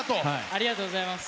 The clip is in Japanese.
ありがとうございます。